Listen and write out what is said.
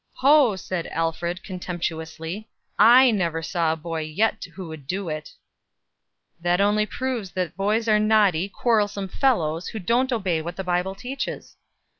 "Ho!" said Alfred, contemptuously, "I never saw the boy yet who would do it." "That only proves that boys are naughty, quarrelsome fellows, who don't obey what the Bible teaches."